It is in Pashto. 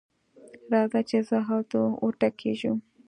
راځه چې زه او ته وټکېږو.